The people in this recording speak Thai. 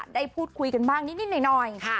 ได้พูดคุยกันบ้างนิดหน่อย